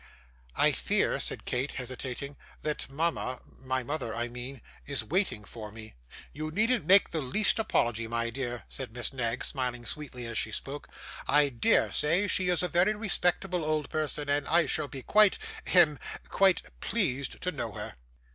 'I fear,' said Kate, hesitating, 'that mama my mother, I mean is waiting for me.' 'You needn't make the least apology, my dear,' said Miss Knag, smiling sweetly as she spoke; 'I dare say she is a very respectable old person, and I shall be quite hem quite pleased to know her.